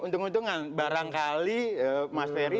untung untungan barangkali mas ferry